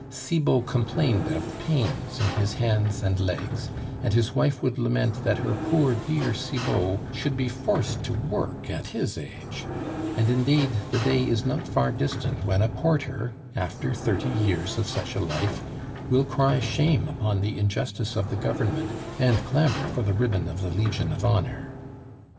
Cibot complained of pains in his hands and legs, and his wife would lament that her poor, dear Cibot should be forced to work at his age; and, indeed, the day is not far distant when a porter after thirty years of such a life will cry shame upon the injustice of the Government and clamor for the ribbon of the Legion of Honor.